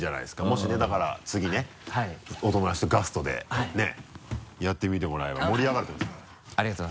もしねだから次ねお友達と「ガスト」でねやってみてもらえば盛り上がると思います。